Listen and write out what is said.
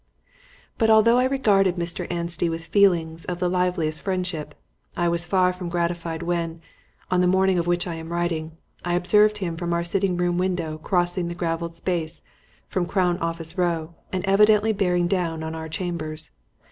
But although I regarded Mr. Anstey with feelings of the liveliest friendship, I was far from gratified when, on the morning of which I am writing, I observed him from our sitting room window crossing the gravelled space from Crown Office Row and evidently bearing down on our chambers.